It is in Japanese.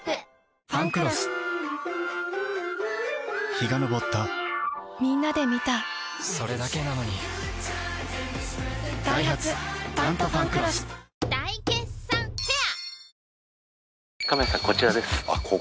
陽が昇ったみんなで観たそれだけなのにダイハツ「タントファンクロス」大決算フェア